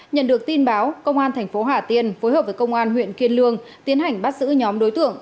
nhận được tin báo công an thành phố hà tiên phối hợp với công an huyện kiên lương tiến hành bắt giữ nhóm đối tượng